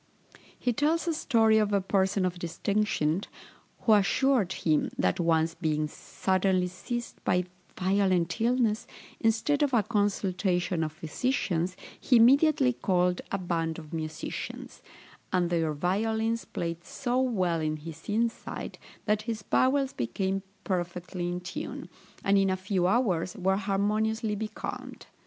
He tells a story of a person of distinction, who assured him, that once being suddenly seized by violent illness, instead of a consultation of physicians, he immediately called a band of musicians; and their violins played so well in his inside, that his bowels became perfectly in tune, and in a few hours were harmoniously becalmed.